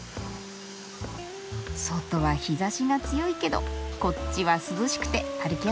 外は日ざしが強いけどこっちは涼しくて歩きやすいなあ。